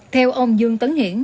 theo ông dương tấn hiển